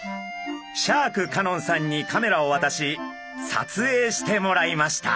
シャーク香音さんにカメラをわたし撮影してもらいました。